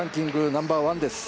ナンバーワンです。